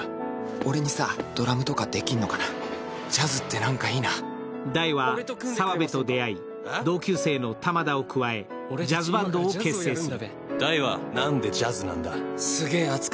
俺にさ、ドラムとかできるのかな大は沢辺と出会い同級生の玉田を加えジャズバンドを結成する。